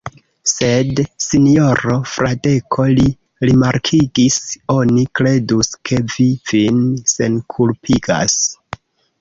Sed sinjoro Fradeko, li rimarkigis, oni kredus, ke vi vin senkulpigas.